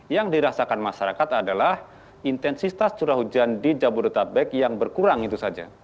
yang dirasakan masyarakat adalah intensitas curah hujan di jabodetabek yang berkurang itu saja